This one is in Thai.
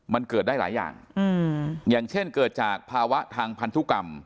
มันเกิดได้หลายอย่างอย่างเช่นเกิดจากภาวะทางพันธุกรรม